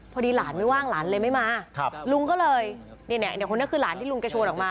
พอดีหลานไม่ว่างหลานเลยไม่มาลุงก็เลยเนี่ยคนนี้คือหลานที่ลุงกระโชนออกมา